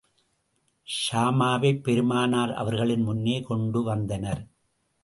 ஷைமாவைப் பெருமானார் அவர்களின் முன்னே கொண்டு வந்தனர்.